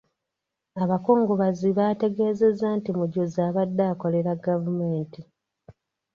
Abakungubazi baategeezezza nti Mujuzi abadde akolera gavumenti.